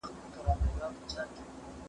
استازي په کاري ډلو کي خپل کارونه مخته وړي.